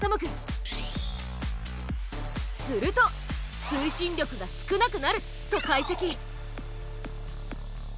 すると推進力が少なくなると解析。